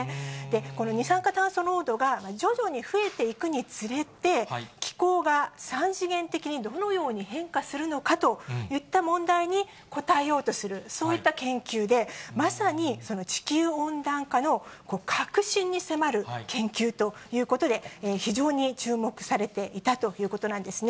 この二酸化炭素濃度が徐々に増えていくにつれて、気候が三次元的にどのように変化するのかといった問題に応えようとする、そういった研究で、まさに地球温暖化の核心に迫る研究ということで、非常に注目されていたということなんですね。